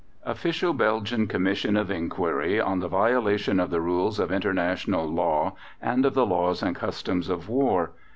OFFICIAL BELGIAN COMMISSION OF INQUIRY on the violation of the Rules of International Law, and of the Laws and Customs of War.